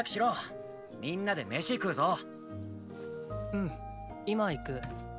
うん今行く。